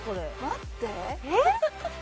待って。